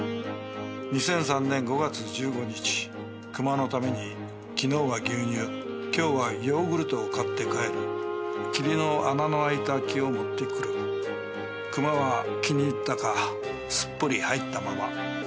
「２００３年５月１５日」「熊のために昨日は牛乳今日はヨーグルトを買って帰る」「キリの穴の開いた木を持ってくる」「熊は気に入ったかすっぽり入ったまま」